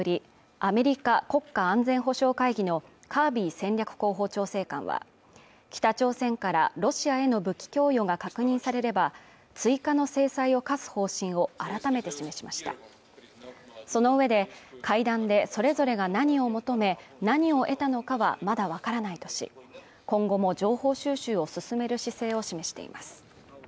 アメリカ国家安全保障会議のカービー戦略広報調整官は北朝鮮からロシアへの武器供与が確認されれば追加の制裁を科す方針を改めて示しましたそのうえで会談でそれぞれが何を求め何を得たのかはまだ分からないとし今後も情報収集を進める姿勢を示しています